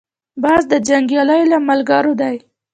باز د جنګیالیو له ملګرو دی